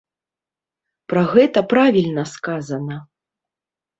Пра гэта правільна сказана.